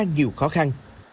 nhiều khó khăn